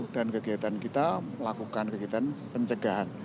dan kegiatan kita melakukan kegiatan pencegahan